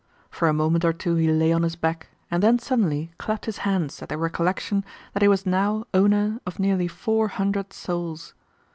For a moment or two he lay on his back, and then suddenly clapped his hands at the recollection that he was now owner of nearly four hundred souls.